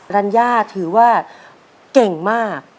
รัญญาถือว่าเก่งมาก